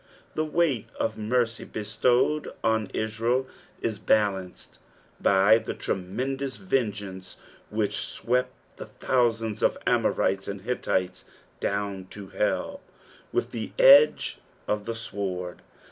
The weight of mercy bestowed on Israel is balanced by tht tremendous veneeance which swept the thousands of Amoritea and Hitiites down to hell with the' edge of the sword.